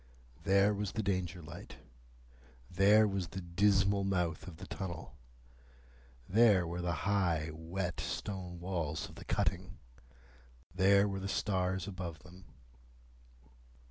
There was the Danger light. There was the dismal mouth of the tunnel. There were the high, wet stone walls of the cutting. There were the stars above them.